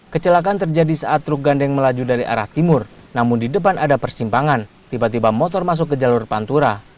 kecelakaan terjadi saat truk gandeng melaju dari arah timur namun di depan ada persimpangan tiba tiba motor masuk ke jalur pantura